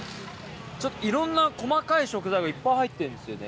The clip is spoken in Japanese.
いろんな細かい食材がいっぱい入ってるんですよね。